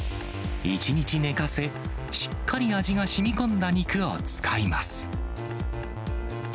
１日寝かせ、しっかり味がしみこんだ肉を使います。